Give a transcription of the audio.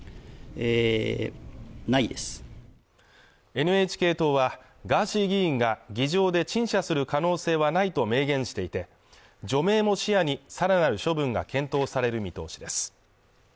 ＮＨＫ党はガーシー議員が議場で陳謝する可能性はないと明言していて、除名も視野に、さらなる処分が検討される見通しです。